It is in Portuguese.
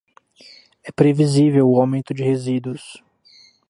É previsível o aumento de resíduos.